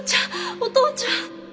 お父ちゃん！